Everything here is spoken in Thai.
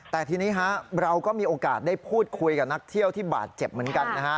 แต่ทีนี้เราก็มีโอกาสได้พูดคุยกับนักเที่ยวที่บาดเจ็บเหมือนกันนะฮะ